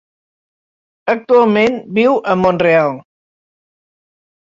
Actualment viu a Mont-real.